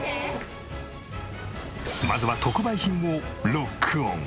まずは特売品をロックオン。